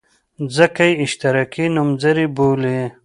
ځکه یې اشتراکي نومځري بولي.